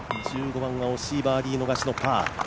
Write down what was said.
１５番はおしいバーディー逃しのパー。